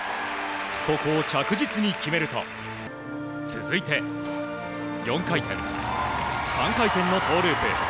ここを着実に決めると続いて４回転、３回転のトウループ。